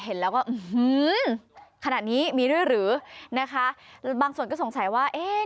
เห็นแล้วก็อื้อหือขนาดนี้มีด้วยหรือนะคะบางส่วนก็สงสัยว่าเอ๊ะ